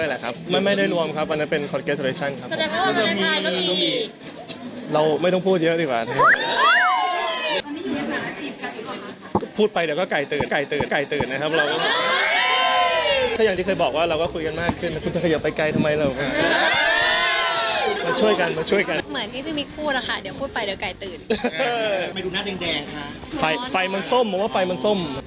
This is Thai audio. แล้วคุณจะเดี๋ยวการยังไปได้ใช่ไหม